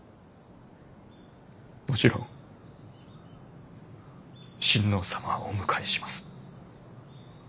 もちろん親王様はお迎えします。